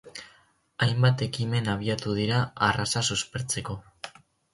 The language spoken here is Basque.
Hainbat ekimen abiatu dira arraza suspertzeko.